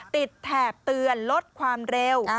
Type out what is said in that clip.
แถบเตือนลดความเร็ว